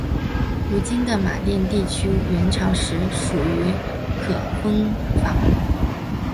如今的马甸地区元朝时属于可封坊。